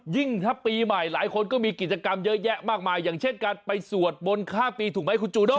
ถ้าปีใหม่หลายคนก็มีกิจกรรมเยอะแยะมากมายอย่างเช่นการไปสวดมนต์ข้ามปีถูกไหมคุณจูโด้